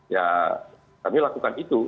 ya kami lakukan itu